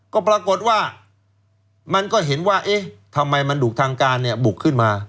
ก็ปรากฏว่ามันก็เห็นว่าเอ๊ะทำไมมันดุทางการเนี่ยบุกขึ้นมา